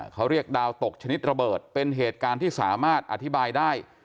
เขาเรียกดาวตกชนิดระเบิดเป็นเหตุการณ์ที่สามารถอธิบายได้